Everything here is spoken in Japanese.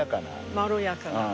まろやかな。